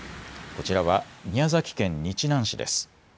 こちらは宮崎県日南市です。